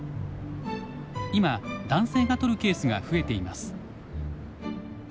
今男性が取るケースが増えています。